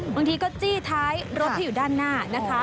บางทีก็จี้ท้ายรถที่อยู่ด้านหน้านะคะ